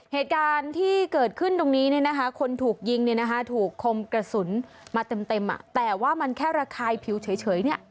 เหตุการณ์ที่เกิดขึ้นตรงนี้เนี่ยนะคะคนถูกยิงเนี่ยนะคะถูกคมกระสุนมาเต็มแต่ว่ามันแค่ระคายผิวเฉยเนี่ย